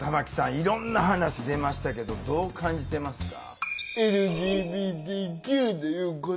いろんな話出ましたけどどう感じてますか？